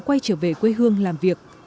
quay trở về quê hương làm việc